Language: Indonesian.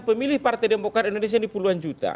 pemilih partai demokrat indonesia ini puluhan juta